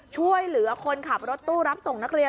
ช่วยเหลือคนขับรถตู้รับส่งนักเรียน